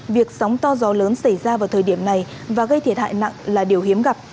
việc sóng to gió lớn xảy ra vào thời điểm này và gây thiệt hại nặng là điều hiếm gặp